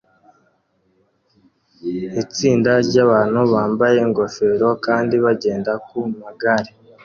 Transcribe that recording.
Itsinda ryabantu bambaye ingofero kandi bagenda ku magare